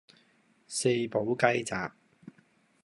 四寶雞扎